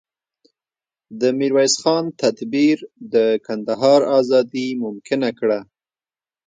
د میرویس خان تدبیر د کندهار ازادي ممکنه کړه.